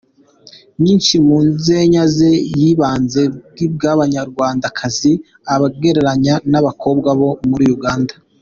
Nyinshi mu nzenya ze yibanze bwiza bw’Abanyarwandakazi abagereranya n’abakobwa bo muri Uganda.